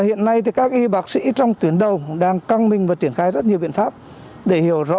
hiện nay thì các y bác sĩ trong tuyến đầu đang căng mình và triển khai rất nhiều biện pháp để hiểu rõ